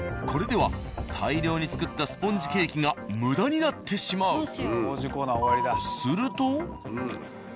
これでは大量に作ったスポンジケーキが無駄になってしまう。